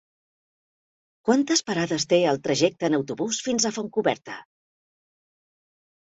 Quantes parades té el trajecte en autobús fins a Fontcoberta?